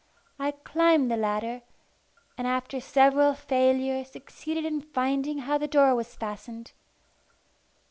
I climbed the ladder, and after several failures succeeded in finding how the door was fastened.